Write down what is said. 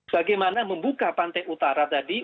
bagaimana membuka pantai utara tadi